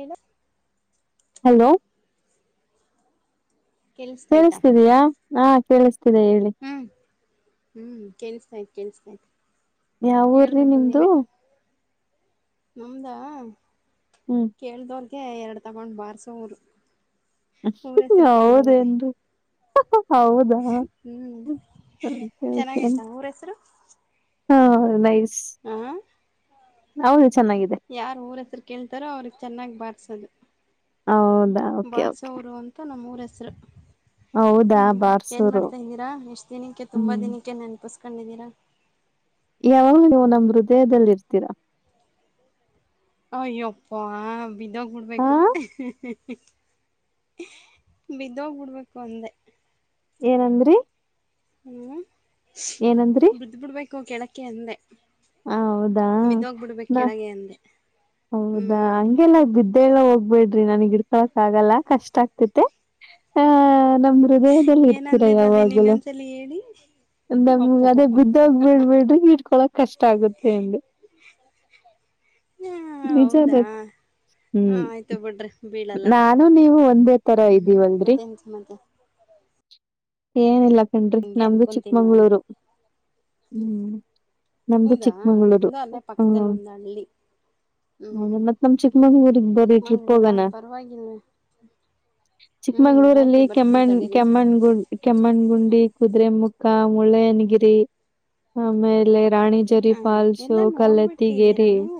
ಏನು. ಹಲೋ. ಕೇಳಿಸತಾಯ್ತಾ ಕೇಳಿಸ್ತಿದಯಾ ಹಾ ಕೇಳಿಸತೀ. ಹ್ಮ್ ಹ್ಮ್ ಕೆಲ್ಸ್ತಯತ್ ಕೆಲ್ಸ್ತಯತ್. ಯಾವ ಊರ್ರಿ ನಿಮ್ದು. ನಮ್ದ ಹ್ಮ್ ಕೇಳ್ದವ್ರಗೆ ಎರಡು ತಗೊಂಡ್ ಬಾರಸವರು. ಹೌದಂದು. ಹೌದಾ ಹ್ಮ್ ಚೆನ್ನಾಗಯ್ತಾ [unintelligible] ಊರ ಹೆಸರು ಹಾ ನೈಸ್. ಹ ಹೌದು ಚೆನ್ನಾಗಿದೆ ಯಾರ ಊರಸರು ಕೇಳ್ತಾರೋ ಅವ್ರಿಗೆ. ಚೆನ್ನಾಗಿ ಬಾರಿಸೋದು ಹೌದಾ ಓಕೆ ಓಕೆ ಬಾರಿಸೋರು ಅಂತ ನಮ್ಮೂರ ಹೆಸರು. ಹೌದಾ ಹ್ಮ್ ಏನ್ ಬಾರ್ಸೂರು ಮಾಡ್ತಾ ಇದ್ದೀರಾ ಎಷ್ಟ್ ದಿನಕ್ಕೆ ತುಂಬಾ ಹ್ಮ್ ದಿನಕ್ಕೆ ನೆನಪಿಸ. ಕಂಡಿದ್ದೀರಾ. ಯಾವಾಗ ನೀವು ನಮ್ ಹೃದಯದಲ್ಲಿ ಇರ್ತೀರಾ. ಅಯ್ಯಪ್ಪ ಹಾ ಬಿದ್ದೋಗ್ಬಡ್ಬೇಕು. ಬಿದ್ದೋಗ್ಬಿಡ್ಬೇಕು ಅಂದೇ. ಏನಂದ್ರರಿ. ಹ್ಮ ಬಿದ್ ಬಿಿಡ್ಬೇಕು ಕೆಳಕ್ಕೆ ಅಂದೆ. ಹ ಹೌದಾ ಬಿದ್ದೋಗ್ಬಿಡ್ಬೇಕ್ ನ. ಕೆಳಗೆ ಅಂದೆ ಹೌದಾ ಹ್ಮ್ ಹಂಗೆಲ್ಲ ಬಿದ್ದು. ೇಳ ಹೋಗ್ಬೇಡ್ರಿ ನನಗ್ ಹಿಡ್ಕೊಳಕ್ ಆಗಲ್ಲ ಕಷ್ಟ ಆಗ್ತತೆ ಆಹ. ನಮ್ ಹೃದಯದಲ್ಲಿ ಏನ್ ಇರ್ತೀರಾ ಅಂದಿದ್ದ ಅದಿನ್ ಯಾವಾಗೆಲ್ಲ. ಇನ್ನೊಂದ್ಸಲಿ ಹೇಳಿ ಅಂದ ಅಪ್ಪೋ ಅದೇ ಬುದ್ದೋಗ್ ಹಾ ಬಿಡ್ಬ ಬಿಡ್ರಿ ಇಟ್ಕೊಳಕ್. ಕಷ್ಟ ಆಗುತ್ತೆ ಅಂದೆ ಹೌದಾ [unintelligible] ಹಾ ಹ್ಮ್ ಆಯ್ತು ಬಿಡ್ರಿ ಬೀಳಲ್ಲ ನಾನು ನೀವು ಒಂದೇ ತರ ಹ್ಮ್ ಇದೀವಂದ್ರಿ ಮತ್ತೇನ್ ಸಮಾಚಾರ ಏನಿಲ್ಲ ಕಂಡ್ರಿ ನಮ್ದು ಚಿಕ್ಕಮಂಗ್ಳೂರು ಹ್ಮ ಹ್ಮ್ ನಮ್ದು ಹೌದಾ ಚಿಕ್ಕಮಂಗ್ಳೂರು ನಮ್ದು ಅಲ್ಲೇ ಹ್ಮ್ ಪಕ್ಕದಲ್ಲಿ ಒಂದು ಹಳ್ಳಿ [unintelligible] [unintelligible] ಬರೀ ಟ್ರಿಪ್ ಚಿಕ್ಕಮಂಗ್ಗಳೂರಾ ಪರವಾಗಿಲ್ವ ಹ್ಮ್ ಚಿಕ್ಕಮಂಗಳೂರಲ್ಲಿ ಆಯ್ತು ಬರ್ತೀನಿ ಕೆಮ್ಮಣ ತಡೀರಿ ಕೆಮ್ಮಣ್ಗು ಕೆಮ್ಮಣ್ಗುಂಡಿ ಕುದುರೆಮುಖ ಮುಳ್ಳಯ್ಯನಗಿರಿ ಆಮೇಲೆ ರಾಣಿಜರಿ ಹ್ಮ್ ಫಾಲ್ಸು ಎಲ್ಲ ನೋಡ್ಬಿಟ್ಟಿದ್ದೀರಾ ಕಲತ್ತಗಿರಿ ನೀವು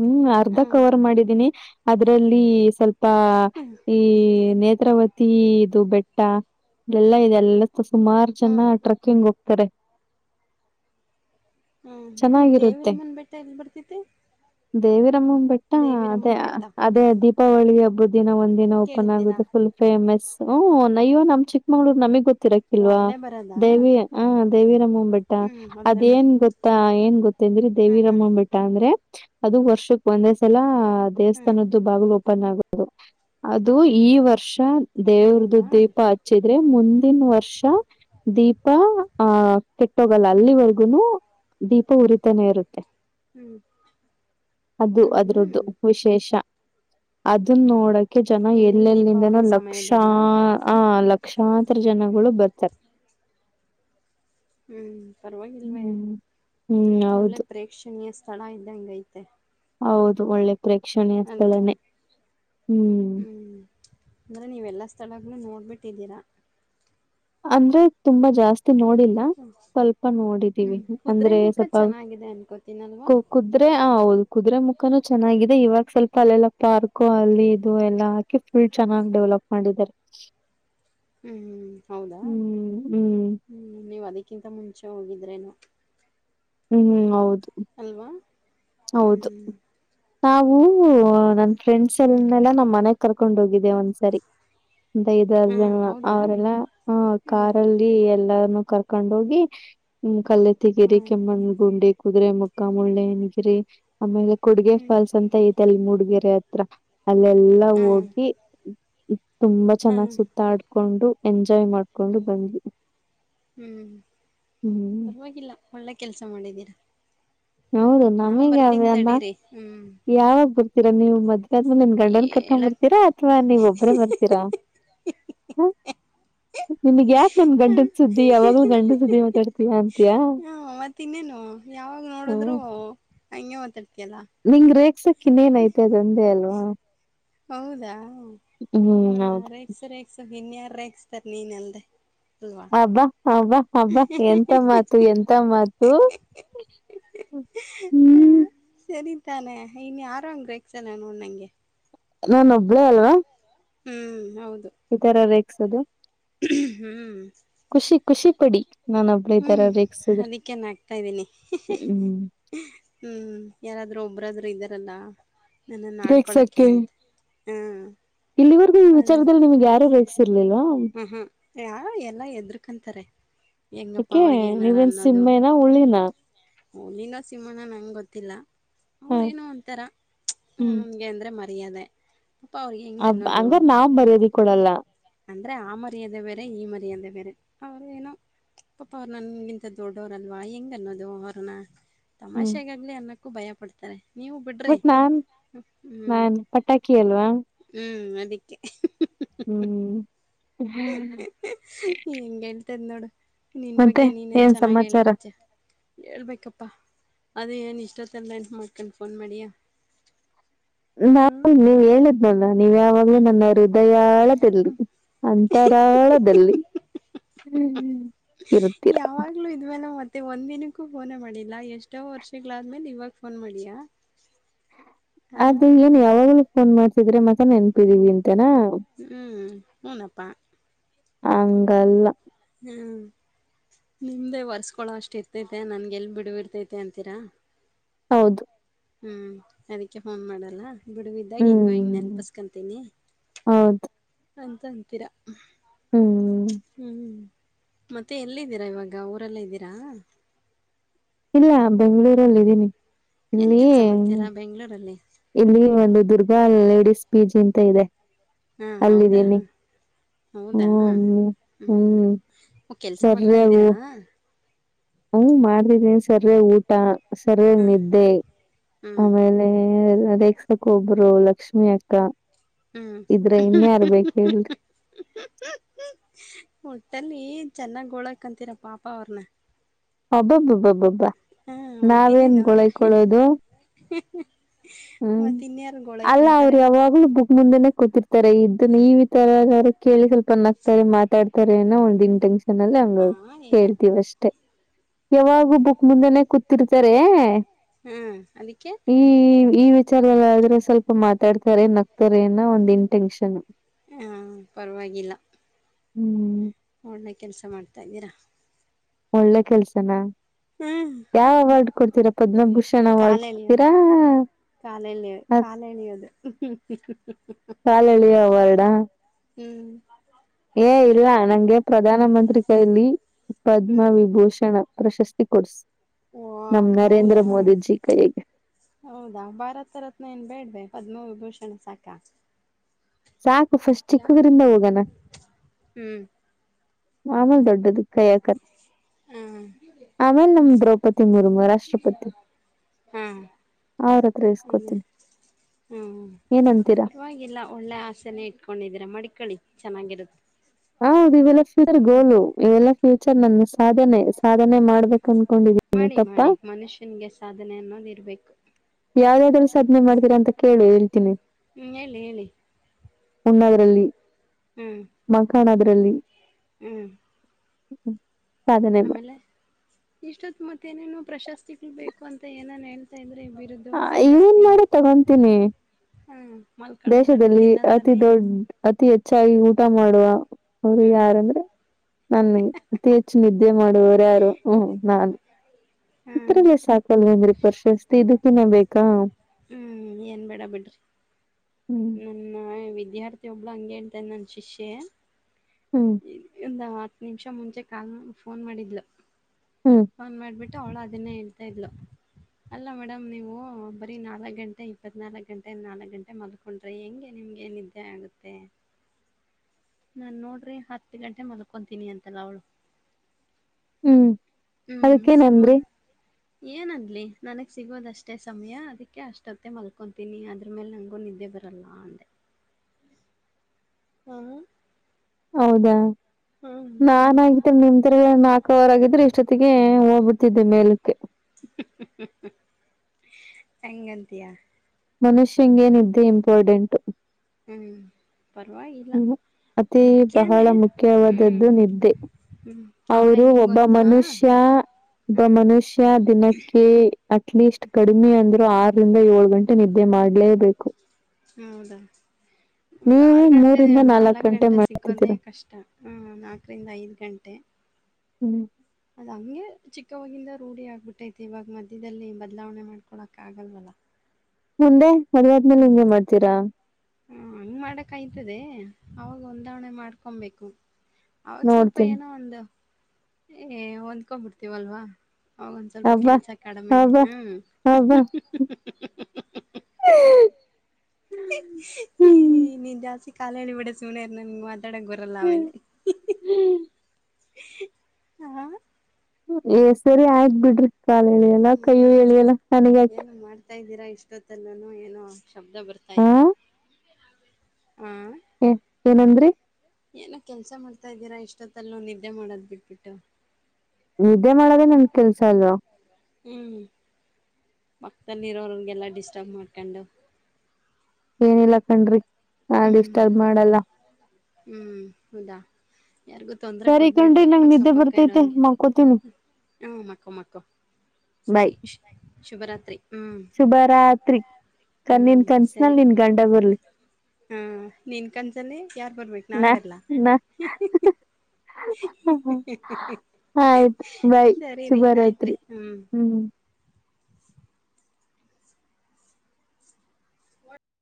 ಹ್ಮ್ ಅರ್ಧ ಹ್ಮ್ ಕವರ್ ಮಾಡಿದ್ದೀನಿ ಅದ್ರಲ್ಲಿ ಸ್ವಲ್ಪ ಹ್ಮ್ ಈ ನೇತ್ರಾವತಿ ಇದು ಬೆಟ್ಟ ಇದೆಲ್ಲಾ ಇದೆ ಎಲ್ಲ ಸುಮಾರು ಹ್ಮ್ ಜನ ಟ್ರಕ್ಕಿಂಗ್ ಹೋಗ್ತಾರೆ ಹ್ಮ ನೀ ಚೆನ್ನಾಗಿರುತ್ತೆ ದೇವಿರಮನ್ ಬೆಟ್ಟ ಎಲ್ ಬರ್ತತಿ ದೇವಿರಮ್ಮನ್ ಬೆಟ್ಟ ಅದೇ ಬೆಟ್ಟ ಅದೇ ದೀಪಾವಳಿಬ್ಬ ದಿನ ಒಂದ್ ದಿನ ಓಪನ್ ಕೇಳಿದ್ದೀರಾ ಆಗುತ್ತ ಫುಲ್ ಫೇಮಸ್ ಹ್ ಅಯ್ಯ ನಮ್ಮ ಚಿಕ್ಕಮಂಗ್ಳೂರು ನಮಗೆ ಗೊತ್ತ ಓ ತಿರಕಿಲ್ವಾ ಅಲ್ಲೇ ಬರದಾ ದೇವಿ ಆ ದೇವಿರಮ್ಮ ಬೆಟ್ಟ ಹ್ಮ್ ಅಲ್ಲೇ ಬರ್ ಅದೇಏನ್ ಗೊತ್ತಾ ಹ್ಮ್ ಏನ್ ಗೊತ್ತಂದ್ರಿ ದೇವಿ ಹ್ಮ್ ಹ್ಮ್ ರಮ್ಮನ ಬೆಟ್ಟ ಅಂದ್ರೆ ಅದು ವರ್ಷಕ್ ಒಂದೇ ಸಲ ಹ್ಮ್ ದೇವಸ್ಥಾನದ್ದು ಬಾಗಿಲು ಓಪನ್ ಆಗೆ ಅದು ಈ ವರ್ಷ ದೇವ್ರದು ಹೌದಾ ದೀಪ ಹಚ್ಚಿದ್ರೆ ಮುಂದಿನ ವರ್ಷ ವರ್ಷ ದೀಪ ಆಹ ಕೆಟ್ಟೋಗಲ್ಲ ಹ್ಮ್ ಅಲ್ಲಿವರ್ಗುನು ದೀಪ ಉರಿತಾನೆ ಇರುತ್ತೆ ಹ್ಮ್ ಅದು ಹ್ಮ್ ಅದ್ರದ್ದು ಹ್ಮ್ ವಿಶೇಷ ಅದನ್ನ ನೋಡಕ ಕ ಜನ ಎಲ್ಲಿ ಎಲ್ಲೆಲ್ಲಿಂದನೂ ದೀಪಾವಳಿ ಲಕ್ಷ ಸಮಯದಲ್ಲ ಆ ಲಕ್ಷಾಂತರ ಜನಗಳು ಬರ್ತಾರೆ ಹ್ಮ್ ಪರವಾಗಿಲ್ವೇ ಹ್ಮ್ ಹ್ಮ್ ಒಳ್ಳೆ ಹೌದು ಪ್ರೇಕ್ಷಣೀಯ ಚೆಳ ಇದ್ದ ಹಂಗ ಐತೆ ಹೌದು ಒಳ್ಳೆ ಪ್ರೇಕ್ಷಣೀಯ ಅಲ್ವಾ ಸ್ಥಳನೇ ಹ್ಮ್ ಅಂದ್ರೆ ನೀವೆಲ್ಲಾ ಸ್ಥಳ ನೋಡ್ಬಿಟ್ಟಿದ್ದೀರಾ ಅಂದ್ರೆ ತುಂಬಾ ಜಾಸ್ತಿ ನೋಡಿಲ್ಲ ಸ್ವಲ್ಪ ನೋಡಿದೀವಿ ಅಂದ್ರೆ ಸ್ವಲ್ಪ ತ್ತಿನಲ್ವಾ ಕು ಕುದ್ರೆ ಹ ಹೌದು ಕುದುರೆ ಮುಖನೂ ಚೆನ್ನಾಗಿದೆ ಇವಾಗ ಸ್ವಲ್ಪ ತಲೆೆಲ್ಲ ಪಾರ್ಕು ಅಲ್ಲಿ ಇದು ಎಲ್ಲಾ ಹಾಕಿ ಫುಲ್ ಚೆನ್ನಾಗಿ್ ಡೆವಲಪ್ ಮಾಡಿದ್ದಾರೆ ಹ್ಮ್ ಹೌದಾ ಹ್ಮ್ ಹ್ಮ್ ಹ್ಮ್ ನೀವ್ ಅದಕ್ಕಿಂತ ಮುಂಚೆ ಹೋಗಿದ್ರೇನು ಹ್ಮ್ ಹ್ಮ್ ಹೌದು ಅಲ್ವಾ ಹೌದು ಹ್ಮ್ ನಾವು ಅದೇ ಅದೇ ನನ್ ಫ್ರೆಂಡ್ಸ್ ಹ್ಮ್ ನೆೆಲ್ಲಾ ನಮ್ಮ್ ಮನೆಗ್ ಕರ್ಕೊಂಡ ಹೋಗಿದ್ದೆ ಒಂದ್ಸರಿ ಒ ಐದರ್ ಹ್ಮ್ ಜನ ಹೌದಾ ಅವರೆಲ್ಲ ಹ ಹ್ಮ್ ಕಾರಲ್ಲಿ ಎ ಕರ್ಕೊಂಡ ಹೋಗಿ ಕಲ್ಲತ್ತಗಿರಿ ಹ್ಮ್ ಕೆಮ್ಮಣ್ ಗುಂಡಿ ಕುದುರೆ ಮುಖ ಮುಳ್ಳೆಣಗಿರಿ ಆಮೇಲೆ ಕುಡ್ಗೆ ಹ್ಮ್ ಫಾಲ್ಸ್ ಅಂತ ಐಲ್ಲಿ ಮೂಡಗರೆ ಹ ಅಲ್ಲೆಲ್ಲಾ ಹ್ಮ್ ಹೋಗಿ ತುಂಬಾ ಚೆನ್ನಾಗ್ ಹ್ಮ್ ಸುತ್ತಾಡ್ಕೊಂಡು ಎಂಜಾಯ್ ಮಾಡ್ಕೊಂಡು ಬಂದ್ವಿ ಹ್ಮ್ ಹ್ಮ್ ಪರ್ವಾಗಿಲ್ಲ ಒಳ್ಳೆ ಕೆಲ್ಸ ಮಾಡಿದ್ದೀರಾ ಹೌದು ನಾವು ಬರ್ತೀನಿ ನಮಗಲ್ಲ ತಡೀರಿ ಹ್ಮ್ ಯಾವಾಗ ಬರ್ತೀರಾ ನೀವು ಮದ್ೆ ಾದ್ಮೇಲೆ ನಿನ್ ಗಂಡನ್ ಕರ್ಕೊಂಡ್ ಹೇಳಕ್ ಬರ್ತೀರಾ ಅಥವಾ ನೀವೊಬ್ಬ್ರ ಬರ್ತೀರಾ ಹ ನಿಮ್ಗ್ ಯಾಕ ನಮ ಹಾ ಗಂಂಡದ ಸುದ್ದಿ ಯಾವಾಗ್ಲೂ ಗಂಡ ಸುದ್ದಿ ಮಾತಾಡ್ತೀಯಾ ಅಂತಯಾ ಮತ್ತ ಇನ್ನೇನು ಯಾವಾಗ ಹ ನೋಡಿದ್ರು ಹಂಗೆ ಮಾತಾಡ್ತಿಯಲ್ಲ ನಿನ್ಂಗ ರೇಕ್ಸಕ್ ಇನ್ನೇನ್ಐತೆ ಅದಂದೇ ಅಲ್ವಾ ಹೌದಾ ಹ್ಮ್ ಹಾ ಹೌದು ರೇಕ್ಸ ರೇಕ್ಸ ಇನ್ಯಾರ ರೇಗಿಸ್ತರ್ ನೀನ್ ಎಲ್ದೆ ಹಬ್ಬಾ ಹಬ್ಬಾ ಹಬ್ಬಾ ಎಂತ ಮಾತು ಎಂತ ಮಾತು ಹಾ ಹ್ಮ್ ಸರಿ ತಾನೆ ಇನ್ನು ಆರಾಮಂಗ ರೇಕ್ಸಲ್ಲ ನೋಡ್ ನಂಗೆ ನಾನ ಒಬ್ಳೇ ಅಲ್ವಾ ಹ್ಮ್ ಹೌದು ಈ ತರ ರೇಕ್ಸದು ಹ್ಮ್ ಡಿ ನಾನನ್ ಹಬ್ಳ ಇದ ತರ ಹ್ಮ್ ರೇಕ್ಸಿದ್ರೆ ಅದಕ್ಕೆ ನಾಗ್ತಾ ಇದ್ದೀನಿ ಹ್ಮ್ ಹ್ಮ್ ಯಾರಾದ್ರೂ ಒಬ್ಬ್ರಾದ್ರರು ಇದಾರೆ ಲ್ಲ ನನ್ನ ಆಡ್ಕೊಳಕೆ ರೇಗ್ಸಕ್ಕೆ ಅಂತ ಹ್ಮ ಇಲ್ಲಿವರೆಗೂ ಈ ವಿಚಾರದಲ್ಲಿ ನಿಮ್ಗೆ ಯಾರು ರಸ ಹ್ಮ್ ಹ್ಮ್ ಯ ಎಲ್ಲಾ ಎದ್ರಕಂತಾರೆ ಹೆಂಗಪ್ಪ ಅಕೆ ಅವ್ರಿಗೆ ಏನಾರ ನೀವೇನ್ ಸಿಂಹನ ಹುಲಿನ ಹುಲಿನಾ ಸಿಂಹನ ನನಗೆ ಗೊತ್ತಿಲ್ಲ ಹ ಅವ್ರ ಏನು ಒಂತರ ನಮ್ಗೆ ಅಂದ್ರೆ ಮ ಅಯಾದ ಅ ಹಂಗ ನಾವು ಮರ್ಯಾದೆ ಕೊಡಲ್ಲ ಅಂದ್ರೆ ಆ ಮರ್ಯಾದೆ ಬೇರೆ ಈ ಮರ್ಯಾದೆ ಬೇರೆ ಅವರು ಏನುೋ ಪಪ ಅವರು ನನ್ಗಿಂತ ದೊಡ್ಡವರಲ್ವಾ ಹೆಂಗ ಅನ್ನೋದು ಅವ್ರನ ಹ್ಮ್ ತಮಾಷೆಗಾಗ್ಲಿ ಅನ್ನಕ್ಕೂ ಭಯ ಪಡ್ತಾರೆ ನೀವು ಬಿಡ್ರಿ ಬಟ್ ನಾನ್ ಹ್ಮ್ ನಾನ್ ಪಟಾಕಿ ಅಲ್ವಾ ಅಕ್ಕೆ ಹ್ಮ್ ಹೆಂಗಳ್ ತ ನೋಡು ನಿನ್ ಮತ್ತೆ ಬಗ್ಗೆ ನೀನ್ ಏನ್ ಚೆನ್ನಾಗಿ ಸಮಾಚಾರ ಹೇಳ್ಕೋತೆ ಹೇಳ್ಬೇಕಪ್ಪಾ ಅದ ಏನ್ ಇಷ್ಟತ್ತಲ್ಲ ಎನ್ ಮಾಡ್ಕೊಂಡ್ ಫೋನ್ ಮಾಡಿಯ ನಾ ನೀವ್ ಹೇಳಿದ್ನಲ್ಲ ನೀವ್ ಯಾವಾಗ್ಲೂ ನನ್ನ ಹೃದಯ ದಲ್ಲಿ ಅಂತರಾಳದಲ್ಲಿ ಇರುತ್ತೀರಾ ಯಾವಾಗ್ಲು ಇದ್ಮೇಲೆ ಮತ್ತೆ ಒಂದ ಒಂದಿನಕ್ಕೂ ಫೋನ ಮಾಡಿಲ್ಲಾ ಎಷ್ಟೋ ವರ್ಷಗಳಾದ್ಮೇಲೆ ಇವಾಗ ಫೋನ್ ಮಾಡಿಯಾ ಹಾ ಅದು ಏನ್ ಯಾವಾಗ್ಲೂ ಫೋನ್ ಮಾಡಿದ್ರೆನೇ ನೆನಪಿದಿವಿ ಅಂತನಾ ಹ್ಮ್ ಹಊನಪ್ಪಾ ಹಂಗಲ್ಲ ಹ್ಮ್ ನಿಮ್ದೆ ವರ್ಸ್ಕೊಳ ಅಷ್ಟ ಇತ್ತೈತೆ ನನ್ಗೆಲ್ ಬಿಡು ಬಿಡ್ತೈತೆ ಅಂತೀರಾ ಹೌದು ಹ್ಮ್ ಅದಕ್ಕೆ ಫೋನ್ ಮಾಡಲ್ಲ ಬಿಡಗಿದ್ದಾಗ ಹಿಂಗ ಹಿಂಗ್ ಹ್ಮ್ ನೆನಪಸ್ಕೊಂತೀನಿ ಹೌದು ಅಂತ ಅಂತೀರಾ ಹ್ಮ್ ಹ್ಮ್ ಮತ್ತೆ ಎಲ್ಲಿದ್ದೀರಾ ಇವಾಗ ಊರೆಲ್ಲ ಇದ್ದೀರಾ ಇಲ್ಲ ಬೆಂಗಳೂರಲ್ಲಿ ಇದ್ದೀನಿ ಏನ್ ಇಲ್ಲಿ ಕೆಲ್ಸ ಮಾಡ್ತೀರಾ ಬೆಂಗ್ಳೂರಲ್ಲಿ ಇಲ್ಲಿ ಒಂದು ದುರ್ಗಾ ಲೇಡಿಸ್ ಪೀಜಿ ಅಂತ ಇದೆ ಹಾ ಹೌದಾ ಅಲ್ಲಿದ್ದೀನಿ ಹೌದಾ ಹ್ಮ್ ಹ್ಮ್ ಕೆಲ್ಸ ಮಾಡ್ತಾ ಇದ್ದೀರಾ ಹ ಮಾಡ್ದಿದೀನಿ ಸರ್ರ ಊಟ ಸರ್ ಹ್ಮ್, ನಿದ್ದೆ ಹ್ಮ್, ಆಮೇಲೆ ರೇಕ್ಸಕ್ಕ ಒಬ್ರು ಲಕ್ಷ್ಮಿ ಅಕ್ಕ ಹ್ಮ್. ಇದ್ರ ಇನ್ಯಾರ್ಬೇಕೇಳಿ ಒಟ್ಟಲ್ಲಿ ಚೆನ್ನಾಗ ಹೋಳಾಕಂತೀರ ಪಾಪ ಅವ್ರನ್ನ ಒಬ್ಬೊಬ್ಬ ಒಬ್ಬಬ್ಬೊಬ್ಬ ಹಾ ನಾವೇನ್ ಮತ್ತಿನ್ನೇನು ಗೊಳಕೊಳ್ಳೋದು ಹ್ಮ್ ಮತ್ತಿನ್ಯಾರು ಅಲ್ಲ ಅವ್ರು ಗೋಳೈಕೊಂತಾರೆ. ಯಾವಾಗ್ಲೂ ಬುಗ್ ಮುಂದೆನೇ ಕೂತಿರ್ತಾರೆ ತರ ಇದ್ ನೀವ ಈ ತರಾರ ಕೇಳಿ ಸ್ವಲ್ಪ ನಗ್ತಾರೆ ಮಾತಾಡ್ತಾರೆ ಅನ ಒಂದ ದನ್ಟೆಂಗ ಅನ್ನಲ್ಲ ಹಾ ಹಂಗ ಏನು? ಹೇಳ್ತೀವ ಅಷ್ಟೇ ಯಾವಾಗೂ ಬುಕ್ ಮುಂದೆನೇ ಕೂತಿರ್ತಾರೆ ಹ್ಮ್ ಅದಿಕ್ಕೆ ಈ ಈ ವಿಚಾರದಲ್ಲಿ ಆದ್ರೆ ಸ್ವಲ್ಪ ಮಾತಾಡ್ತಾರೆ ನಗ್ತಾರಏನ ಒಂದ್ ಇಂಟೆನ್ಷನ್ ಹ ಪರವಾಗಿಲ್ಲ ಹ್ಮ್ ಹಣನ ಕೆಲ್ಸ ಮಾಡ್ತಾ ಇದ್ದೀರಾ ಒಳ್ಳೆ ಕೆಲ್ಸನಾ ಹ್ಮ್ ಯಾವ ಅವಾರ್ಡ್ ಕೊಡ್ತೀರಾ ಪದ್ಮಭೂಷಣ್ ಅವಾರ್ಡ್ ಕೊಡ್ತೀರಾ ಕಾಲ ಎಳಿಯ ಅದ್ ಕಾಲಳಿಯೋದು ವರ್ಡಾ ಹ್ಮ್ ಏ ಇಲ್ಲ ನಂಗೆ ಪ್ರಧಾನ ಮಂತ್ರಿ ಕೈಲಿ ಪದ್ಮ ಹ್ಮ್. ವಿಭೂಷಣ ಪ್ರಶಸ್ತಿ ಕೊರ್ಸ್ ಓ ನಮ್ ನರೇಂದ್ರ ಹೌದಾ ಮೋದಿಜಿ ಕೈಗೆ ಹೌದಾ ಭಾರತ ರತ್ನ ಏನ್ ಬೇಡ್ವೆ ಪದ್ಮವಿಭೂಷಣ ಸಾಕಾ ಸಾಕು ಫಸ್ಟ್ ಚಿಕ್ಕಗ್ರಿಂದ ಹೋಗಣ ಹ್ಮ್ ಆಮಾ ದೊಡ್ಡ ದಿಕ್ಕ ಯಕ ಹ್ಮ್ ಆಮೇಲೆ ದ್ರೌಪದಿ ಮುರ್ಮು ರಾಷ್ಟ್ರಪತಿ ಹಾ ಅವ್ರತ್ರ ಅದೇ ಇಸ್ಕೋತೀನಿ ಹ್ಮ್ ಏನಂತೀರಾ ಪರವಾಗಿಲ್ಲ ಒಳ್ಳೆ ಆಸೆನೇ ಇಟ್ಕೊಂಡಿದೀರ ಮಡ್ಕೊಳ್ಳಿ ಚೆನ್ನಾಗಿರುತ್ತೆ ಹೌದು ಇವೆಲ್ಲ ಫ್ಯೂಚರ್ ಗೋಲು ಇವೆಲ್ಲ ಫ್ಯೂಚರ್ ನನ್ನ ಸಾಧನೆ ಸಾಧನೆ ಮಾಡ್ಬೇಕ ಮಾಡಿ ಮಾಡಿ ಮನುಷ್ಯನ್ಗೆ ಸಾಧನೆ ಅನ್ನೋದ ಇರ್ಬೇಕು ಯಾವ್ಯಾದರೂ ಸಾಧನೆ ಮಾಡ್ತೀರಾ ಅಂತ ಕೇಳಿ ಹೇಳ್ತೀನಿ ಹ್ಞೂ ಹೇಳಿ ಹೇಳಿ ಮುಣದ್ರಲ್ಲಿ ಹ್ಮ್ ಮಖನ್ ಅದ್ರಲ್ಲಿ ಹ್ಮ್ ಸಾಧನೆ ಮಾಡ್ತೇ ಇಷ್ಟೊತ್ ಮತ್ತೇನೇನುೋ ಪ್ರಶಸ್ತಿಗಳು ಬೇಕು ಅಂತ ಏನನ್ ಹೇಳ್ತಾ ಇದ್ರು ಹ ಏನ್ ಮಾಡಿ ತಗೊತೀನಿ ಹಾಂ ಮಲ್ಕೊಳ್ಳೋದ್ರಲ್ಲಿ ದೇಶದಲ್ಲಿ ಅತಿ ತಿನ್ನೋದ್ರಲ್ಲಿ ದೊಡ್ಡ ಅತಿ ಹೆಚ್ಚಾಗಿ ಊಟ ಊಟ ಮಾಡುವ ಅವರು ಹ್ಞೂ ಯಾರಂದ್ರೆ ನನ್ಗೆ ಅತಿ ಹೆಚ್ಚು ನಿದ್ದೆ ನದೆ ಮಾಡುವರು ಯಾರು ಹ್ಮ ನಾನು ಹಾಂ ಇತ್ರದ ಸಾಕಲ್ವೇನ್ರಿ ಪ್ರಶಾಸ್ತಿ ಇದಕ್ಕಿನ ಬೇಕಾ ಹ್ಮ್ ಏನ್ ಬೇಡ ಬಿಡ್ರಿ ಹ್ಮ್ ನನ್ನ ವಿದ್ಯಾರ್ಥಿ ಒಬ್ಳು ಹಂಗೆ ಹೇಳ್ತನೆ ನನ್ ಶಿಷ್ಯ ಹ್ಮ್ ಒ ಹತ್ತು ನಿಮಿಷ ಮುಂಚೆ ಕಾಲ್ ಫೋನ್ ಮಾಡಿದ್ಲು ಹ್ಮ್ ಫೋನ್ ಮಾಡ್ಬಿಟ್ಟ ಅವಳ ಅದನ್ನೇ ಹೇಳ್ತಾ ಇದ್ಲು ಅಲ್ಲ ಮೇಡಮ್ ನೀವು ಬರೀ ನಾಲ್ಕ್ ಗಂಟೆ ಇಪ್ಪತ್ನಾಾಲ್ಕಕ್ ಗಂಟೆ ನಾಲ್ಕಕ್ ಗಂಟೆ ಮಲ್ಕೊಂಡ್ರಿ ಹೆಂಗೆ ನೀ ನಿಮಗೆ ನಿದ್ದೆ ಆಗುತ್ತೆ ನಾನ್ ನೋಡ್ರಿ ಹತ್ತು ಗಂಟೆ ಮಲ್ಕೊತೀನಿ ಅಂತಲ್ಲ ಅವಳು ಹ್ಮ್ ಹ್ಮ್ ಅದಕ್ಕೇನಂದ್ರಿ ಸಿಮ್ಮಲ್ ಏನನ್ ನನಗ್ ಸಿಗೋದಷ್ಟೇ ಸಮಯ ಅದಕ್ಕೆ ಅಷ್ಟೊತ್ತೇ ಮಲ್ಕೊಂತೀನಿ ಅದ್ರ ಮೇಲೆ ನಂಗಗು ನಿದ್ದೆ ಇವರೆಲ್ಲಾ ಹ್ಮ ಹೌದಾ. ಹ್ಮ. ನಾಗಿದ್ದ ನಿಮ ತರ ನಾಲ್ಕವರ್ ಆಗಿದ್ರೆ ಇಷ್ಟೊತ್ತಿಗೆ ಹೋಗ್ಬಿಡ್ತಿದ್ದೆ ಮೇಲಕ್ಕೆ. [unintelligible] ಎಂಗಂತಿಯ. ಮನುಷ್ಯಂಗ ನಿದ್ದೆ ಇಂಪಾರ್ಟೆಂಟು. ಹ್ಮ್. ಪರವಾಗಿಲ್ಲ ಹ್ಮ ಅತಿ ಬಹಳ ಮುಖ್ಯನೇ ಹ್ಮ್ ಮುಖ್ಯವಾದದ್ದು ನಿದ್ದೆ. ಹ್ಮ್ ಅವಳ ಅವರು ಹೆಂಗ ಒಬ್ಬ ಗೊತ್ತಾ. ಮನುಷ್ಯ ಒಬ್ಬ ಹ್ಮ್ ಮನುಷ್ಯ ದಿನಕ್ಕೆ. ಅಟ್ಲೀಸ್ಟ್ ಕಡಿಮೆ ಅಂದ್ರು ಆರರಿಂದ ಏಳು ಗಂಟೆ ನಿದ್ದೆ ಮಾಡ್ಲೇಬೇಕು. ಹೌದಾ ಹಮ್ ನೀವು ಆರು ಗಂಟೆ ಮೂರಿಂದ ನಾಲ್ಕು ಗಂಟೆ ಸಿಕ್ಕೋದೇ ಮಾಡ್ತಿದ್ದೀರಾ ಕಷ್ಟ ಹ ನಾಲ್ಕರಿಂದ ಐದು ಗಂಟೆ. ಹ್ಮ್. ಅದ ಹಂಗೆ ಚಿಕ್ಕವಾಗಿಂದ ರೂಢಿ ಆಗ್ಬಿಟ್ಟೈತೆ ಇವಾಗ ಮಧ್ಯದಲ್ಲಿ ಬದಲಾವಣೆ ಮಾಡ್ಕೊಳಕ್ ಆಗಲ್ವಲ್ಲ. ಮುಂದೆ ಮದ್ವೇದ್ಮೇಲೆ ಹ್ಮ್ ಹಂಗೆ ಮಾಡ್ತೀರಾ. ಹ ಹಂಗ್ ಮಾಡಕ್ ಆಯ್ತದೆ ಅವಾಗ ಒಂದಾವಣೆ ಮಾಡ್ಕೊಬೇಕು. ಅವಾಗ ಸ್ವಲ್ಪ ನೋಡ್ತೀನಿ ಏನೋ ಒಂದು ಏ ಹೊಂದ್ಕೊ್ ಬಿಡ್ತೀವಲ್ವಾ. ಅವಾಗ ಒಂದ ಸ್ವಲ್ಪ ಹಬ್ಬಾ ಕೆಲ್ಸ ಕಡಿಮೆ ಹಬ್ಬಾ ಹ್ಮ್. ಹಬ್ಬಾ ಹ ನೀ ಜಾಸ್ತಿ ಕಾಲೇಳಿಬೇಡ ಸುಮ್ನ ಇರ [unintelligible] [unintelligible] ಬರಲ್ಲ ಆಮೇಲೆ. ಹಾ. ಏ ಸರಿ ಆಯ್ತ ಬಿಡ್ರಿ ಕಾಲ್ ಎಳಿಯಲ್ಲ ಕೈಯ್ಯು ಎಳಿಯಲ್ಲ ನನಗ ಯಾಕೆ. ಬರ್ತಾ ಇದೀರಾ ಇಷ್ಟೊತ್ತಲ್ಲ ಏನೋ ಶಬ್ದ ಹಾ ಬರ್ತಾೈತೆ. ಹಾ ಏನಂದ್ರಿ ಏನು ಕೆಲ್ಸ ಮಾಡ್ತ ಇದೀರಾ ಇಷ್ಟೊತ್ತಲ್ ನಿದ್ದೆ ಮಾಡೋದ್ ಬಿಟ್ಬಿಟ್ಟು. ನಿದ್ದೆ ಮಾಡದ ನಮ ಕೆಲ್ಸ ಅಲ್ವಾ. ಹ್ಮ್ ಪಕ್ಕದಲ್ಲಿರೋಗೆಲ್ಲ ಡಿಸ್ಟರ್ಬ್ ಮಾಡ್ಕೊಂಡು. ಏನಿಲ್ಲ ಕಣ್ರಿ ನಾ ಡಿಸ್ಟರ್ಬ್ ಮಾಡಲ್ಲ. ಹ್ಮ್ ಹೌದಾ. ಯಾರಿಗೂ ತೊಂದರೆ ಸರಿ ಕಣ್ರಿ ಕೊಡಬೇಡ್ರಿ ನಂಗ ನಿದ್ದೆ ಬರ್ತೈತೆ ಮಕೋತೀನಿ. ಹಾ ಮಕ್ಕೊ ಮಕ್ಕೋ ಸರಿ ಶು ಶುಭರಾತ್ರಿ. ಹ್ಞೂ ಶುಭ ರಾತ್ರಿ ಕಣ್ಣನ್ ಕನ್ಸನಲ್ಲಿ ನಿನ್ ಗಂಡಗುರ್ಲಿ. ಹ್ಮ ನೀನ್ ಕನ್ಸಲ್ಲ ಯಾರ್ ಬರ್ಬೇಕು ನಾನ್ ನಾ ಬರ್ಲಾ. ನಾ ಆಯ್ತು ಬಾಯ್ ಸರಿರಿ ಆಯ್ತ್ರಿ ಶುಭರಾತ್ರಿ ಹ್ಮ್. [inaudible]